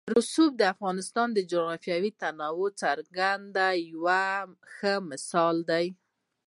رسوب د افغانستان د جغرافیوي تنوع یو څرګند او ښه مثال دی.